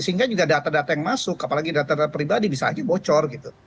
sehingga juga data data yang masuk apalagi data data pribadi bisa aja bocor gitu